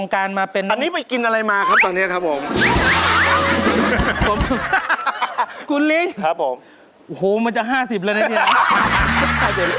อ๋อคนเดียวกันเลย